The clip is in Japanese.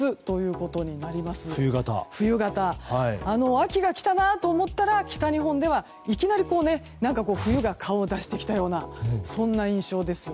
秋が来たなと思ったら北日本ではいきなり冬が顔を出してきたような印象ですよね。